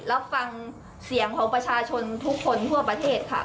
รับฟังเสียงของประชาชนทุกคนทั่วประเทศค่ะ